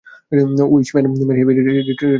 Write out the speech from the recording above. Wish you many many happy returns of the day.